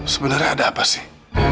sebenarnya ada apa sih